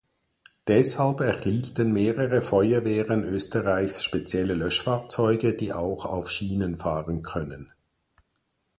Deshalb erhielten mehrere Feuerwehren Österreichs spezielle Löschfahrzeuge, die auch auf Schienen fahren können.